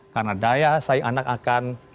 karena daya saing anak akan